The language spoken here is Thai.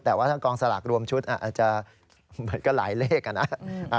แต่ว่ากองสลากรวมชุดอาจจะเหมือนกับหลายเลขนะ